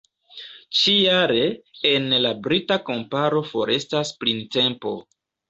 Ĉi-jare en la brita kamparo forestas printempo.